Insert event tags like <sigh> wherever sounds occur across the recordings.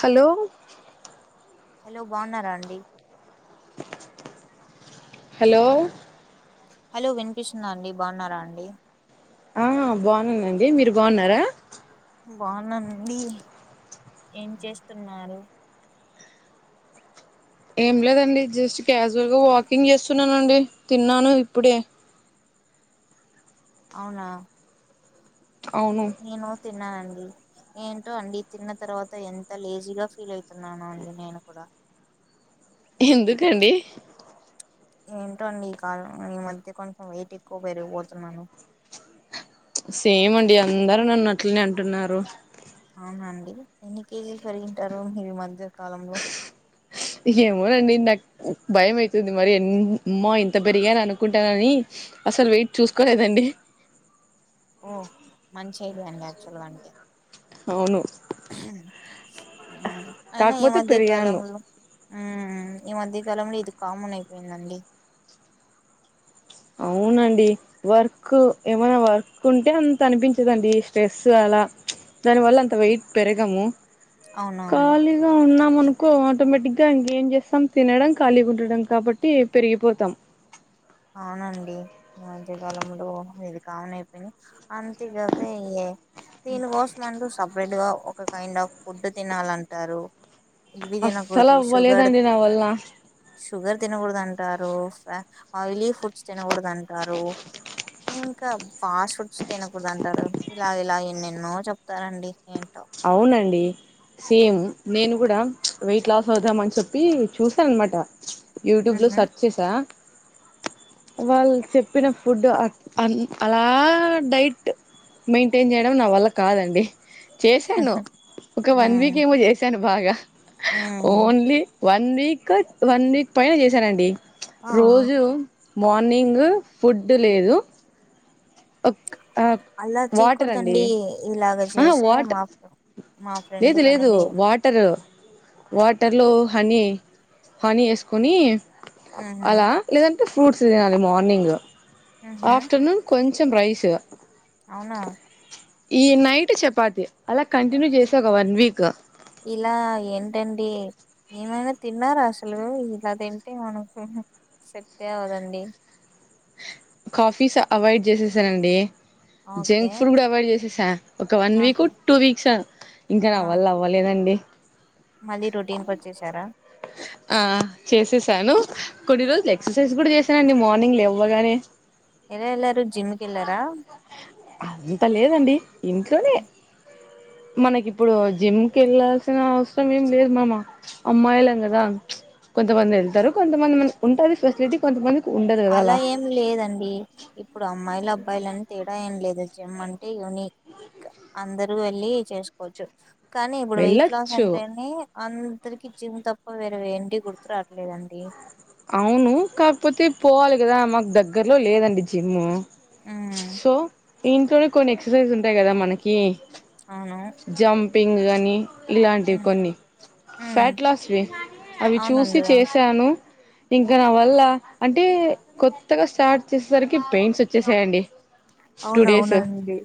Hello hello బాగున్నారా అండి hello hello వినిపిస్తుందా అండి బాగున్నారా అండి ఆ బాగున్నానండి మీరు బాగున్నారా బాగున్నానండి ఏం చేస్తున్నారు ఏం లేదండి జస్ట్ క్యాజువల్ గా వాకింగ్ చేస్తున్నానండి తిన్నాను ఇప్పుడే అవునా అవును నేను తిన్నానండి ఏంటో అండి తిన్న తర్వాత ఎంత లేజీగా ఫీల్ అవుతున్నానో అండి నేను కూడా ఎందుకండి ఏంటో అండి ఈ కాలం ఈ మధ్య కొంచెం వెయిట్ ఎక్కువ పెరిగిపోతున్నాను సేమ్ అండి అందరూ నన్ను అట్లనే అంటున్నారు అవునండి ఎన్ని కేజీలు పెరిగింటారు ఈ మధ్యకాలంలో ఏమోనండి నాకు భయం అయితుంది మరి ఎ అమ్మో ఇంత పెరిగాని అనుకుంటానని అసలు వెయిట్ చూసుకోలేదండి ఓ మంచి అయిత అండి యాక్చువల్ వానికి అవును అయినా ఈ కాకపోతే పెరిగాను మధ్యకాలంలో ఈ మధ్యకాలంలో ఇది కామన్ అయిపోయిందండి అవునన్ వర్క్ ఏమైనా వర్క్ ఉంటే అంత అనిపించదండి స్ట్రెస్ అలా దాని వల్ల అంత వెయిట్ పెరగము అవునవును ఖాళీగా ఉన్నామ అనుకు కో ఆటోమేటిక్ గా ఇంకేం చేస్తాం తినడం ఖాళీ ఉండడం కాబట్టి పెరిగిపోతాం అవునండి ఈ మధ్యకాలముంలో ఇది కామన్ అయిపోయిది ఇ దీనికోసం అంటూ సపరేట్ గా ఒక కైండ్ ఆఫ్ ఫుడ్ తినాలంటారు ఇవి అస్సలు తినకూడదు షుగర్ అవ్వలేదండి నా వల్ల షుగర్ తినకూడదు అంటారు. ఆయిలీ ఫుడ్స్ తినకూడదు అంటారు. ఇంకా ఫాస్ట్ ఫుడ్స్ తినకూడదు అంటారు ఇలా ఇలా ఎన్నెన్నో చెప్తారండి ఏంటో అవునండి సేమ్ నేను కూడా వెయిట్ లాస్ అవుదామని చెప్పి చూసాను అన్నమాట యూట్యూబ్ లో ఉహు సర్చ్ చేసా <inaudible> వాళ్ళు చెప్పిన ఫుడ్ అలా డైట్ మెయింటైన్ చేయడం నా వల్ల కాదండి చేశాను ఒక వన్ ఉమ్ వీక్ ఏమో చేశాను బాగా um only one week one week పైన చేశానండి. ఆ రోజు మార్నింగ్ ఫుడ్డు లేదు అలా వాటర్ అండి చేయకూడదండి ఇలాగ ఆహా చేసే వాట్ మా మా ఫ్రెండ్ లేదు లేదు కనేది వాటరు వాటర్లో హనీ హనీ వేసుకొని ఉహు అలా లేదంటే ఫ్రూట్స్ తినాలి మార్నింగ్. ఉహు ఆఫ్టర్నూన్ కొంచెం రైసు అవునా ఈ నైట్ చపాతి అలా కంటిన్యూ చేసా ఒక వన్ వీక్ ఇలా ఏంటండి ఏమైనా తిన్నారా అసలు ఇలా తింటే మనకు సెట్ఎ అవ్వదండి <inaudible> కాఫీస్ అవాయిడ్ చేసేసానండి ఓకే జంక్ ఫుడ్ కూడా అవాయిడ్ చేసేసా ఒక వన్ వీక్ ఆహా టూ వీక్స్ఆ ఇంకా ఆ నావల్ల అవ్వలేదండి మళ్ళీ రొటీన్ కి వచ్చేశారా ఆ చేసేసాను కొన్ని రోజులు ఎక్సర్సైజ్ కూడా చేసానండి మార్నింగ్ లేవ్వగానే ఎలా ఎల్లారు జిమ్ కి వెళ్లారా అంతా లేదండి ఇంట్లోనే మనకి ఇప్పుడు జిమ్కి వెళ్లాల్సిన అవసరం ఏం లేదు మామ అమ్మాయిల కొంతమంది వెళ్తారు కొంతమంది మ ఉంటది ఫెసిలిటీ కొంతమంది అలా ఏం లేదండి ఇప్పుడు అమ్మాయిల అబ్బాయిలు అని తేడా ఏం లేదు జిమ్ అంటే యూనిక్ అందరు వెళ్ళి చేసుకోవచ్చు కానీ ఇప్పుడు వెయిట్ లాస్ వెళ్ళొచ్చు అంటేనే అందరికి జిమ్ తప్ప వేరే వేంటి గుర్తు రాట్లేదండి అవును కాకపోతే పోవాలి కదా మాకు దగ్గరలో లేదండి జిమ్ ఉమ్ సో ఇంట్లోనే కొన్ని ఎక్సర్సైజ్ ఉంటాయి కదా మనకి అవునా పింగ్ గని ఇలాంటివి కొన్ని ఉమ్ ఫ్యాట్ లాస్వి అవి చూసి అవునండి అవు చేసాను ఇంకా నా వల్ల అంటే కొత్తగా స్టార్ట్ చేసేసరికి పెయిన్స్ వచ్చేసాయండి టూ డేస్ అవునువును అండి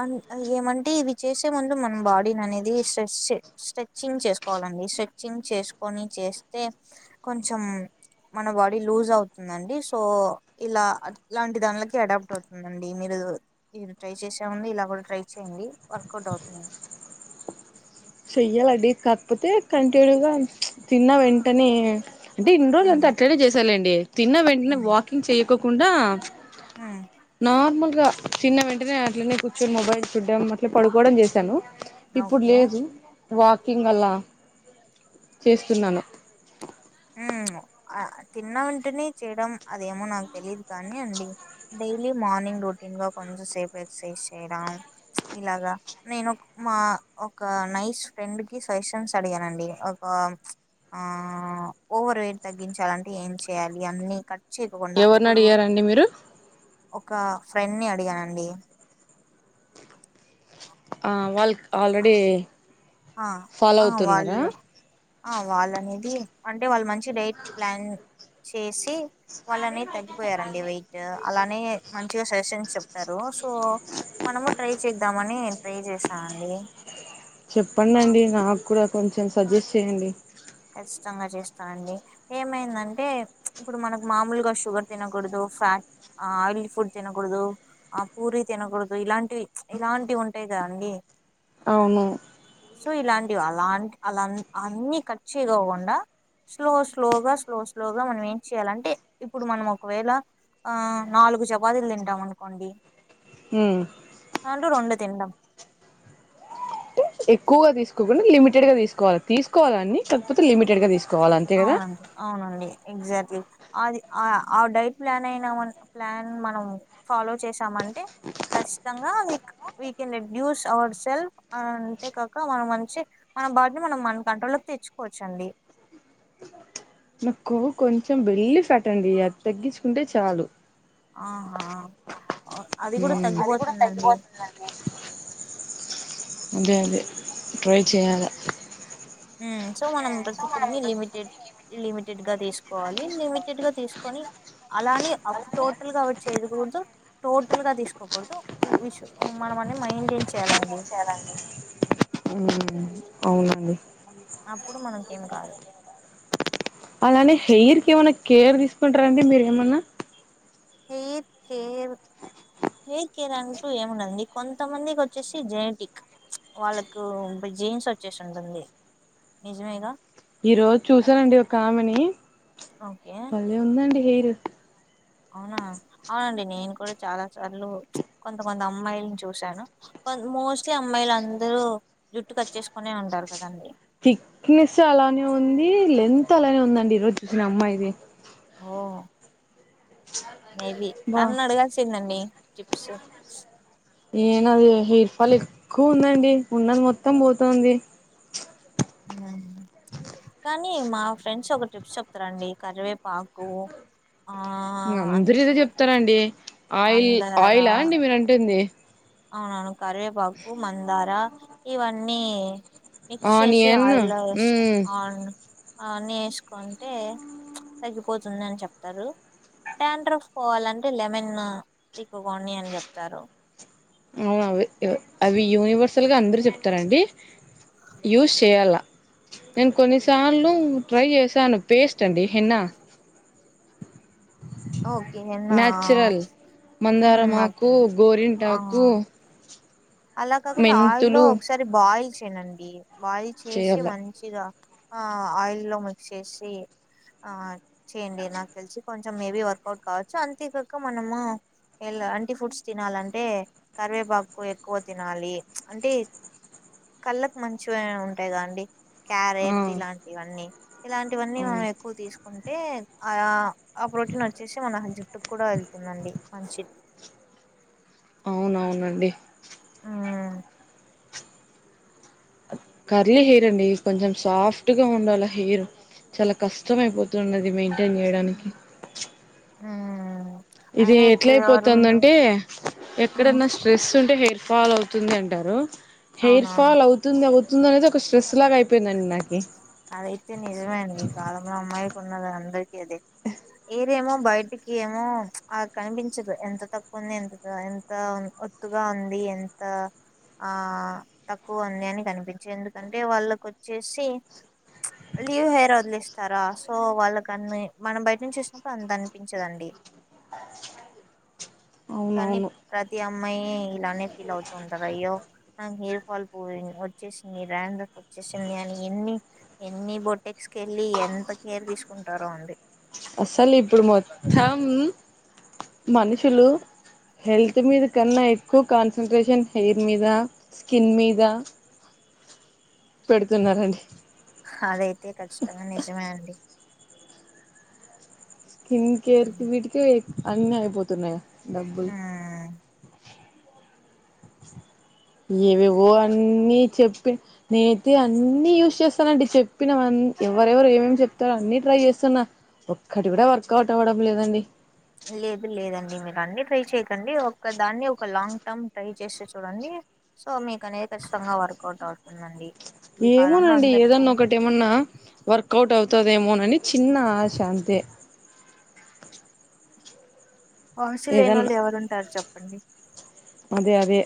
అం ఏమంటే ఇవి చేసే ముందు మన బాడీని అనేది స్ట్రె స్ట్రెచింగ్ చేసుకోవాల అండి స్ట్రెచింగ్ చేసుకొని చేస్తే కొంచం మన బాడీ లూజ్ అవుతుందండి సో ఇలా ఇలాంటి దానిలకి అడాప్ట్ అవుతుందండి మీరు <unintelligible> ఇది ట్రై చేసాం అండి ఇలా కూడా ట్రై చేయండి వర్కౌట్ అవుతుంది చెయ్యాలండి కాకపోతే కంటిన్యూగా తిన్న వెంటనే అంటే ఇన్ని రోజులు అంత ఉమ్, అట్లనే తిన్న వెంటనే ఉమ్, వాకింగ్ చేయకోకుండా ఉమ్, నార్మల్ గా తిన్న వెంటనే అట్లనే కూర్చొని మొబైల్ చూడ్డం అట్లా పడుకోవడం చేశాను ఇప్పుడు ఓకే లేదు వాకింగ్ అలా చేస్తున్నాను హ్మ్ తిన్న వెంటనే చేయడం అదేమో నాకు తెలీదు కానీ అండి డైలీ మార్నింగ్ రొటీన్ గా కొంచెం సేపు ఎక్ససైజ్ చేయడం ఇలాగా నేను ఒక్ మా ఒక నైస్ ఫ్రెండ్ కి ఫెషన్స్ అడిగానండి ఒక ఆ ఓవర్ వెయిట్ తగ్గించాలింటే ఏం చేయాలి అన్ని చేయకోకుండా ఎవరిని ఇప్పుడు అడిగారండి మీరు ఒక ఫ్రెండ్ ని అడిగానండి ఆ వాళ్లక్ ఆల్రెడీ ఆ ఫాలో ఆ అవుతున్నారా వాళ్ళ ఆ వాళ్ళనేది అంటే వాళ్ళు మంచి డైట్ ప్లాన్ చేసి వాళ్ళనే తగ్గిపోయారండి వెయిట్ అలానే మంచిగా సజెషన్స్ చెప్తారు సో మనము ట్రై చేద్దామని ట్రై చేసాను అండి చెప్పండండి నాకు కూడా కొంచెం సజెస్ట్ చెయండి కచ్చితంగా చేస్తానండి ఏమైందంటే ఇప్పుడు మనకు మామూలుగా షుగర్ తినకూడదు ఫట్ ఆ ఆయిలీ ఫుడ్ తినకూడదు ఆ పూరి తినకూడదు ఇలాంటివి ఇలాంటివి ఉంటాయి ఇదా అండి అవును సో ఇలాంటివి అలాంటి అలా అన్ని కార్చే కాకుండా స్లో స్లోగా స్లో స్లోగా మనం ఏం చెయాలంటే ఇప్పుడు మనం ఒకవేళ ఆ నాలుగు చపాతీలు తింటాం అనుకోండి హ్మ్ అంటే రెండే తింటం ఎక్కువగా తీసుకోకుండా లిమిటెడ్ గా తీసుకోవాలి తీసుకోవాలన్నీ కాకపోతే లిమిటెడ్ గా తీస్ అవునండి అవునండి ఎగ్జాక్ట్లీ అది ఆ ఆ డైట్ ప్లాన్ అయిన ప్లాన్ మనం ఫాలో చేసామంటే కచ్చితంగా నిక్ వీకెండ్ <unintelligible> అర్ సెల్ఫ్ అంతేకాక మనం మంచి మన బాడీని మనం మన కంట్రోల్ లో తెచ్చుకోవచ్చండి నా కొవ్వు కొంచం బెల్లీఫాట్ అండి అది తగ్గించుకుంటే చాలు ఆహా అది కూడా తగ్గిపోతుందండి అదే అదే ట్రై చేయాల హ్మ్ సో మనం ప్రతి ఫుడ్ న్ని లిమిటెడ్ లిమీ లిమిట్ గా తీసుకోవాలి లిమిటెడ్ గా తీసుకొని అలానే అప్పు టోటల్ గా అవాయిడ్ చేయకూడదు టోటల్ గా తీసుకోకూడదు విషు మనం అన్ని మెయింటైన్ చేయాలండి ఇంకేం చేయాలండి హ్మ్ అప్పుడు మనకి ఏం కాదు అలానే హెయిర్ కి ఏమైనా కేర్ తీసుకుంటారండి మీరు ఏమన్నా. హెయిర్ కేర్ హెయిర్ కేర్ అంటూ ఏముండదు కొంత మందికి వచ్చేసి జెనటిక్ వాళ్ళకు బెన్ జీన్స్ వచ్చేసింటుంది నిజమేగా ఈ రోజు చూసానండి ఒక ఆమెని చ్ ఓకే బలే ఉందండి హెయిరు. అవునా అవునండి నేను కూడా చాలా సార్లు చ్ కొంతమంది అమ్మాయిల్ని చూశాను. మోస్ట్లీ అమ్మాయిలు అందరు జుట్టు కట్ చేసుకొనే ఉంటారు కదండి. థిక్నెస్ అలానే ఉంది లెంత్ అలానే ఉందండి ఈరోజు చూసిన అమ్మాయిది. ఓ మే బి బా తన్ని అడగాల్సిందండి టిప్సు యే నాది హెయిర్ ఫాల్ ఎక్కువ ఉందండి ఉన్నది మొత్తం పోతుంది. <unintelligible> కానీ మా ఫ్రెండ్స్ ఒక ట్రిప్స్ చెప్తారండి కరివేపాకు ఆ ఇంగ అందరూ ఇదే చెప్తారండి ఆయిల్ ఆయిలా మందార అండి మీరు అంటుంది. అవునవును కరివేపాకు మందార ఇవన్నీ మిక్స్ చేసి ఆనియన్ ఆయిల్ల ఉమ్ ఆన్ ఆన్ని వేసుకుంటే చ్ తగ్గిపోతుంది అని చెప్తారు డ్యాడ్రప్ పోవాలంటే లెమన్ తిక్కుకోండి అని చెప్తారు. ఉ అవే అవి యూనివర్సల్గా అందరూ చెప్తారండి యూస్ చేయాల్ల మెమ్ కొన్నిసార్లు ట్రై చేసాను పేస్ట్ అండి హెన్నా <unintelligible> ఓకే నా నాచురల్ ఉమ్ మందారమాకు అర్థమైంది గోరిన్ టాకు కు ఆ అలా కాకుండా ఆయిల్లో ఒకసారి బాయిల్ చేయన్ నండి బాయిల్ చేసి చేయాల మంచిగా. ఆ ఆయిల్ లో మిక్స్ చేసి ఆ చేయండి నాకు తెలిసి కొంచెం మేబీ వర్కౌట్ కావచ్చు అంతేకాక మనము. ఎలా అంటి ఫుడ్స్ తినాలంటే కరివేపాకు ఎక్ ఎక్కువ తినాలి అంటే కళ్ళకు మంచివని ఉంటాయ్ కదండీ. ఆ క్యారెట్ ఇలాంటివన్నీ ఇలాంటివన్నీ అవును మనం ఎక్కువ తీసుకుంటే ఆ ఆ ప్రోటీన్ వచ్చేసి మన జుట్టుకు కూడా వెళ్తుందండి మంచిది. అవునవునండి ఆ కర్లీ హెయిర్ అండి కొంచెం సాఫ్ట్ గా ఉండాల హెయిరు. చాలా కష్టం అయిపోతున్నది మెయింటైన్ చేయడానికి చ్ ఉమ్ ఇది అయినా ఎట్లా ఇప్పుడు ఎవరు అయిపోతుందంటే ఉమ్ ఎక్కడన్నా స్ట్రెస్ ఉంటే హెయిర్ ఫాల్ అవుతుంది అంటారు హెయిర్ అవునవును ఫాల్ అవుతుంది అవ్ తున్ అనేది ఒక స్ట్రెస్ లాగా అయిపోయిందండి నాకి. అదైతే నిజమే అండి ఈ కాలంలో అమ్మాయి కొన్నది అందరికిీ అదే హెయిర్ ఏమో. బయటికి ఏమో చ్ ఆ కనిపించదు ఎంత తక్కువ ఉంది ఎంత ఎంత ఒత్తుగా ఉంది. ఎంత ఆ తక్కువ ఉంది అని కనిపించే ఎందుకంటే వాళ్ళకు వచ్చేసి చ్ లీవ్ హెయిర్ వదిలేస్తారా సో వాళ్ళకు అన్ని మనం బయట నుంచి వచ్చినప్పుడు అంత అనిపించదండి. కానీ అవునవును ప్రతి అమ్మాయి ఇలానే ఫీల్ అవుతుంటారది అయ్యో నా హెయిర్ వాల్ పోయి వచ్చేసింది డ్రండ్రాప్ వచ్చేసింది అని ఎన్ని ఎన్ని బొటెక్స్ కి వెళ్ళి ఎంత కేర్ తీసుకుంటారో అండి. అసలు ఇప్పుడు మొత్తం మనుషులు హెల్త్ మీద కన్నా ఎక్కువ కాన్సట్రేషన్ హెయిర్ మీద స్కిన్ మీద. పెడుతున్నారండి హదైతే కచ్చితంగా మే నిజమే అండి స్కిన్ కేర్ కీ ఉమ్, వీటికే అన్ని అయిపోతున్నాయా డబ్బులు ఏవేవో అన్నీ చెప్పిన నేనైతే అన్ని యూస్ చేస్తానండి చెప్పినవా ఎవరెవరు ఏమేమి చెప్తారో అన్ని ట్రై చేస్తున్నా ఒక్కటి కూడా వర్కౌట్ అవ్వడం లేదండి లేదు లేదండి మీరు అన్ని ట్రై చెయకండి ఒక దాన్ని ఒక లాంగ్ టర్మ్ ట్రై చేసి చూడండి సో మీకు అనేది ఖచ్చితంగా వర్కౌట్ అవుతుందండి ఈ కాలంలో ఏమోనండి అందరికి ఏదన్నా ఒకటి ఏమన్నా వర్కౌట్ అవుతు తాదేమోనని చిన్న ఆశ అంతే ఆశ లేని ఏదన్నా వాళ్ళు ఎవరు ఉంటారు చెప్పండి అదే అదే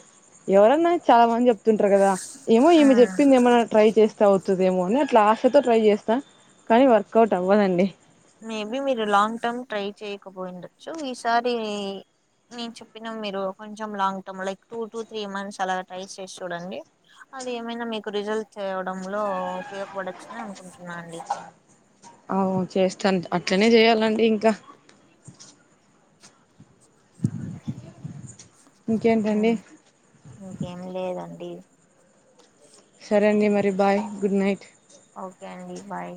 ఎవరన్నా చాలా మంది చెప్త చెప్తుంటారు కదా ఏమో ఏమి ఉమ్. చెప్పింది ఏమైనా ట్రై చేస్తా అవు తాదేమో అని అట్లా ఆశతో ట్రై చేస్తా కానీ వర్కౌట్ అవ్వదండి మేబీ మీరు లాంగ్ టర్మ్ ట్రై చేయకపోయిండొచ్చు ఈసారి నేను చెప్పిన మీరు కొంచెం long term like two to three months అలా ట్రై చేసి చూడండి అది ఏమైనా మీకు రిజల్ట్ తేవడంలో ఉపయోగపడచ్చు అనుకుంటున్నా అండి అవు చేస్తాను అట్లనే చేయాలండి ఇంకా ఆ ఇంకేంటండి ఇంకేం లేదండి సరే అండి మరి బాయ్ గుడ్ నైట్ ఓకే అండి బాయ్